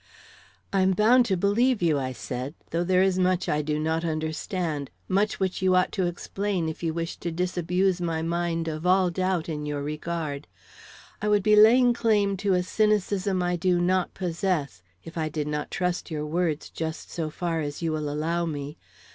"I am bound to believe you," I said; "though there is much I do not understand much which you ought to explain if you wish to disabuse my mind of all doubt in your regard. I would be laying claim to a cynicism I do not possess, if I did not trust your words just so far as you will allow me.